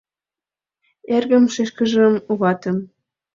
Эргым, шешкыжым — у ватым.